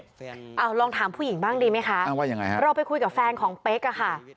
อ้าวลองถามผู้หญิงบ้างดีไหมคะเราไปคุยกับแฟนของเป๊กอะค่ะ